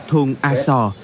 thôn a sò